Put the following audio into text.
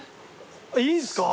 いいんすか？